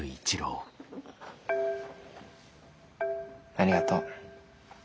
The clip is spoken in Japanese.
ありがとう。